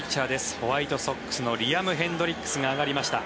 ホワイトソックスのリアム・ヘンドリックスが上がりました。